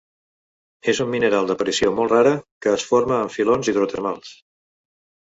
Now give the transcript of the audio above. És un mineral d'aparició molt rara, que es forma en filons hidrotermals.